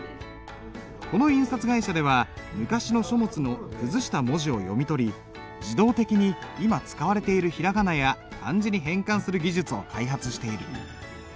この印刷会社では昔の書物の崩した文字を読み取り自動的に今使われている平仮名や漢字に変換する技術を開発している。